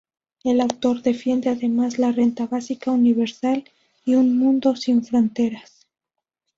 El autor defiende además la renta básica universal y un mundo sin fronteras.